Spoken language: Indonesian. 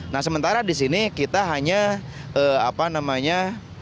nah sementara di sini kita hanya apa namanya